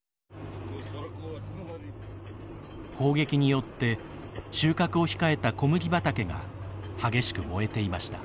砲撃によって収穫を控えた小麦畑が激しく燃えていました。